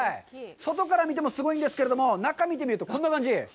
外から見てもすごいんですけども、中を見てみるとこんな感じ。